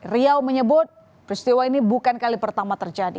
bpk sda dan riau menyebut peristiwa ini bukan kali pertama terjadi